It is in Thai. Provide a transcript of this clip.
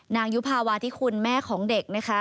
ยุภาวาธิคุณแม่ของเด็กนะคะ